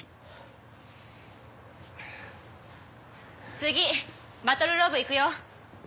次バトルロープいくよ。